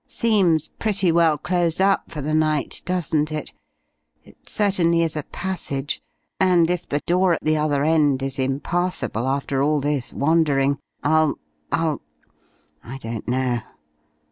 Seems pretty well closed up for the night, doesn't it? It certainly is a passage and if the door at the other end is impassable after all this wandering, I'll, I'll I don't know."